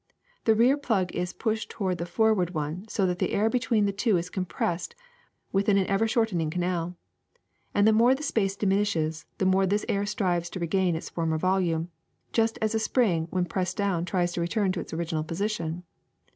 The rear plug is pushed toward the forward one so that the air between the two is compressed within an ever shortening canal ; and the more the space diminishes, the more this air strives to regain its former volume, just as a spring when pressed down tries to return to its original position.